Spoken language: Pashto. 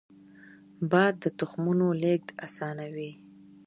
باد د تخمونو لیږد اسانوي